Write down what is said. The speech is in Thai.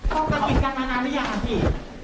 ข้อตากิจกันมานานแล้วยังครับพี่